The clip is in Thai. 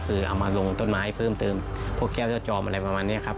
คือเอามาลงต้นไม้เพิ่มเติมพวกแก้วยอดจอมอะไรประมาณนี้ครับ